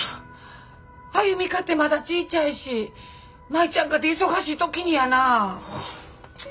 歩かてまだちいちゃいし舞ちゃんかて忙しい時にやな。